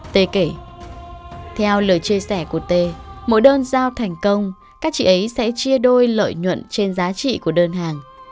t kể theo lời chia sẻ của t mỗi đơn giao thành công các chị ấy sẽ chia đôi lợi nhuận trên giá trị của đơn hàng